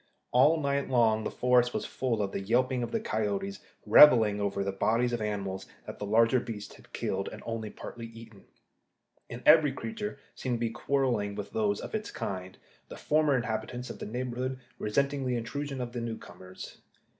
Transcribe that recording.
All night long the forest was full of the yelping of the coyotes revelling over the bodies of animals that the larger beasts had killed and only partly eaten, and every creature seemed to be quarrelling with those of its kind, the former inhabitants of the neighbourhood resenting the intrusion of the newcomers.